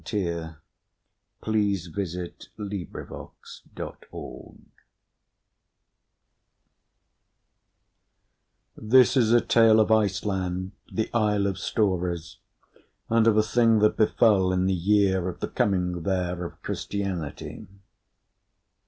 '" THE WAIF WOMAN A CUE FROM A SAGA This is a tale of Iceland, the isle of stories, and of a thing that befell in the year of the coming there of Christianity.